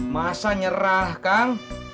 masa nyerah kang